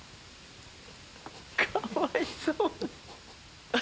かわいそう。